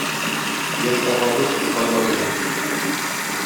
Яшь агабыз - Тукай бар иде.